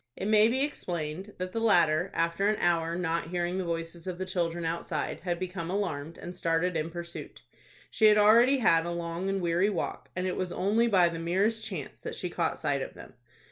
It may be explained that the latter, after an hour, not hearing the voices of the children outside, had become alarmed, and started in pursuit. She had already had a long and weary walk, and it was only by the merest chance that she caught sight of them.